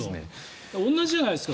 同じじゃないですか。